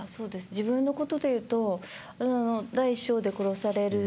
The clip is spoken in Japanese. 自分のことで言うと第１章で殺される。